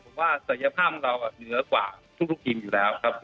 ผมว่าศักยภาพของเราเหนือกว่าทุกทีมอยู่แล้วครับ